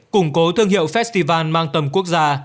củng cố thương hiệu festival mang tầm quốc gia